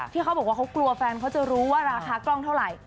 เขาบอกว่าเขากลัวแฟนเขาจะรู้ว่าราคากล้องเท่าไหร่